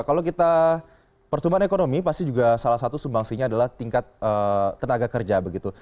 kalau kita pertumbuhan ekonomi pasti juga salah satu sumbangsinya adalah tingkat tenaga kerja begitu